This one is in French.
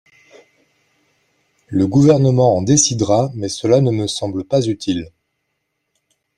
Le Gouvernement en décidera, mais cela ne me semble pas utile.